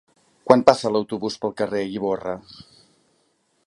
Quan passa l'autobús pel carrer Ivorra?